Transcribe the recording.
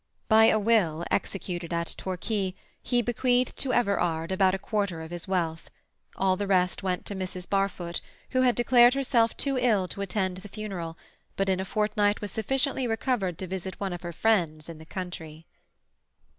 By a will, executed at Torquay, he bequeathed to Everard about a quarter of his wealth. All the rest went to Mrs. Barfoot, who had declared herself too ill to attend the funeral, but in a fortnight was sufficiently recovered to visit one of her friends in the country.